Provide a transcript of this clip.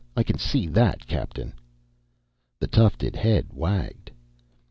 I can see that, captain." The tufted head wagged.